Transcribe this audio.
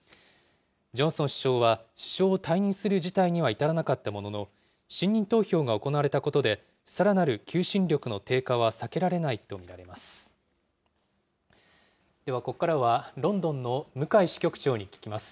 ジョンソン首相は首相を退任する事態には至らなかったものの、信任投票が行われたことで、さらなる求心力の低下は避けられないと見られます。